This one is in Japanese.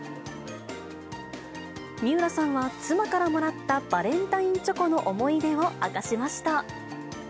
三浦さんは妻からもらったバレンタインチョコの思い出を明かしました。